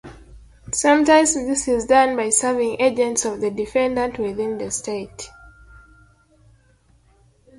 Sometimes this is done by serving agents of the defendant located within the state.